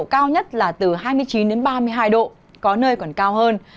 cao nhất là từ hai mươi chín ba mươi hai độ có nơi còn cao hơn